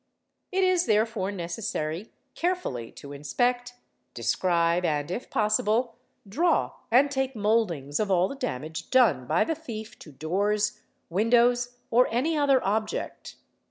It is therefore necessary carefully to inspect, describe, and, if possible, draw and .take mouldings of all the damage done by the thief to doors, windows, or any other object.